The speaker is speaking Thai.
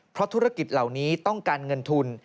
เพราะธุรกิจเหล่านี้ต้องการเงินทุน